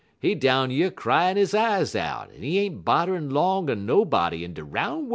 He down yer cryin' he eyes out, en he ain't bodderin' 'long er nobody in de roun' worl'."